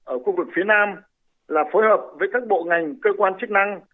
ở khu vực phía nam là phối hợp với các bộ ngành cơ quan chức năng